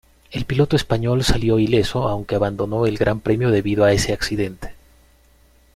El piloto español salió ileso, aunque abandonó el Gran Premio debido a ese accidente.